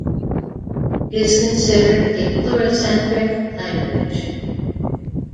It is considered a pluricentric language.